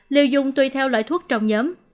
liệu dùng tùy theo loại thuốc trong nhóm